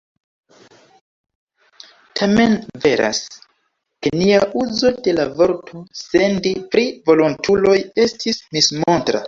Tamen veras, ke nia uzo de la vorto "sendi" pri volontuloj estis mismontra.